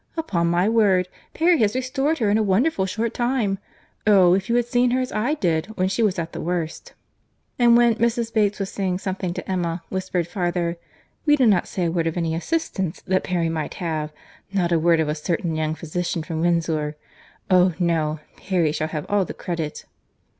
Upon my word, Perry has restored her in a wonderful short time!—Oh! if you had seen her, as I did, when she was at the worst!"—And when Mrs. Bates was saying something to Emma, whispered farther, "We do not say a word of any assistance that Perry might have; not a word of a certain young physician from Windsor.—Oh! no; Perry shall have all the credit."